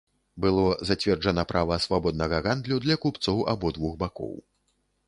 Было зацверджана права свабоднага гандлю для купцоў абодвух бакоў.